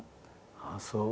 ああそう。